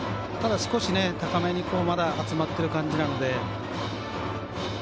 ただ、少し高めにまだ集まってる感じなので。